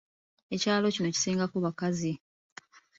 Ekyalo kino kisingako bakazi!